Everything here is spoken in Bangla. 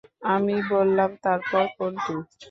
আমি বললাম, তারপর কোনটি?